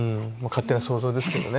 勝手な想像ですけどね